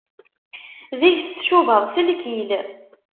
Deg-s tcubaḍ s lkil.